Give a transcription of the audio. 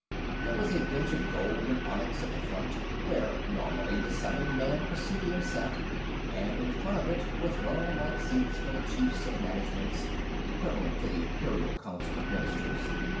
There was a bench of gold and onyx at the front, where, normally the seven man Presidium sat, and in front of it were thronelike seats for the Chiefs of Managements, equivalent to the Imperial Council of Ministers.